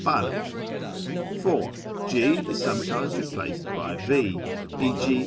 bur;/). (4) G is sometimes replaced by V ; c.